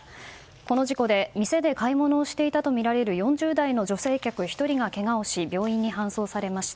この事故で店で買い物をしていたとみられる４０代の女性客１人がけがをし病院に搬送されました。